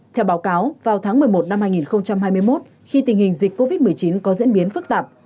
theo báo cáo vào tháng một mươi một năm hai nghìn hai mươi một khi tình hình dịch covid một mươi chín có diễn biến phức tạp